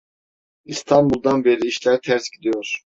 İstanbul'dan beri işler ters gidiyor.